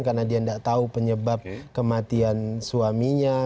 karena dia tidak tahu penyebab kematian suaminya